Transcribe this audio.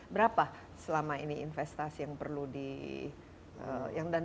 berapa selama ini investasi yang perlu di